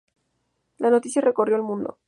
La noticia recorrió el mundo.